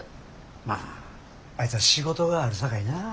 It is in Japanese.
まああいつは仕事があるさかいな。